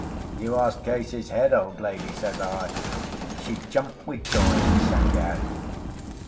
"You ask Case's head, old lady," says I. She jumped with joy, and sang out.